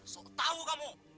sok tau kamu